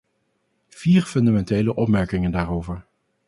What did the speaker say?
Vier fundamentele opmerkingen daarover.